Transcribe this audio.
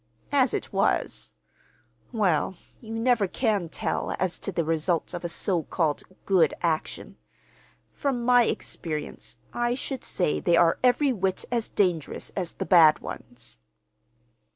As it was—Well, you never can tell as to the results of a so called 'good' action. From my experience I should say they are every whit as dangerous as the bad ones."